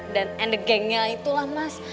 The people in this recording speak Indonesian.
dan endegangnya itulah mas